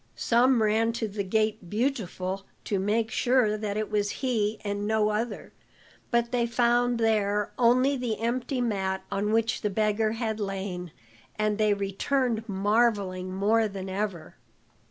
Some ran to the gate Beautiful to make sure that it was he and no other, but they found there only the empty mat on which the beggar had lain, and they returned marvelling more than ever.